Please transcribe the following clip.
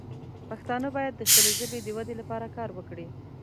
پښتانه باید د خپلې ژبې د ودې لپاره کار وکړي.